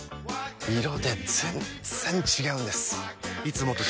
色で全然違うんです！